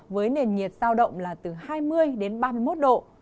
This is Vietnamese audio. với nền nhiệt sao động là từ hai mươi bốn đến ba mươi năm độ